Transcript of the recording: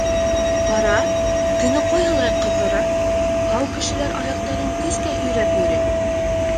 Ҡара, көнө ҡайһылай ҡыҙҙыра, һау кешеләр аяҡтарын көскә һөйрәп йөрөй.